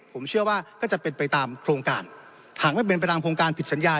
ผมเชื่อว่าก็จะเป็นไปตามโครงการหากไม่เป็นไปตามโครงการผิดสัญญา